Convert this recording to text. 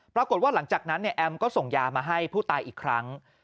ปรากฏว่าหลังจากนั้นเนี่ยแอมก็ส่งยามาให้ผู้ตายอีกครั้ง